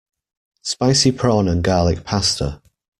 Spicy prawn and garlic pasta.